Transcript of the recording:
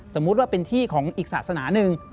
สมมุติว่าเป็นที่ของอีกศาสนาหนึ่ง